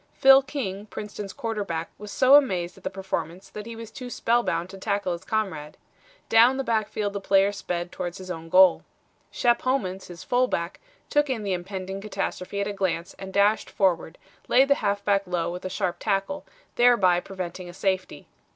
Phil King, Princeton's quarterback, was so amazed at the performance that he was too spellbound to tackle his comrade. Down the backfield the player sped towards his own goal. Shep Homans, his fullback, took in the impending catastrophe at a glance and dashed forward, laid the halfback low with a sharp tackle, thereby preventing a safety.